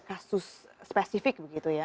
kasus spesifik begitu ya